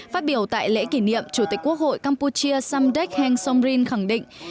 phát biểu tại lễ kỷ niệm chủ tịch quốc hội campuchia samdek heng somrin khẳng định